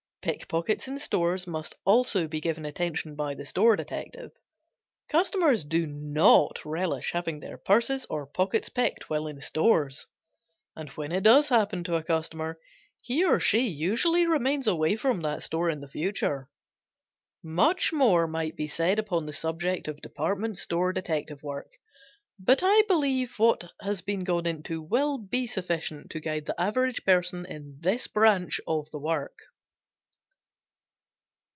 Pickpockets in stores must also be given attention by the store detective. Customers do not relish having their purses or pockets picked while in stores, and when it does happen to a customer, he or she usually remains away from that store in the future. Much more might be said upon the subject of department store detective work, but I believe what has been gone into will be sufficient to guide the average person in this branch of the work.